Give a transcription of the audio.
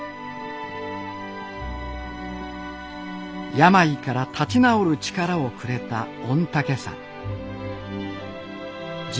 病から立ち直る力をくれた御嶽山。